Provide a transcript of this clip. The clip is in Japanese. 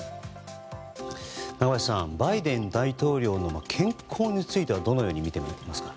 中林さんバイデン大統領の健康についてはどのように見ていますか？